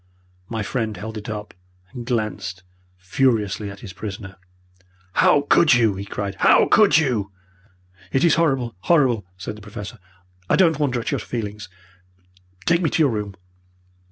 My friend held it up and glanced furiously at his prisoner. "How could you!" he cried. "How could you!" "It is horrible horrible!" said the Professor. "I don't wonder at your feelings. Take me to your room."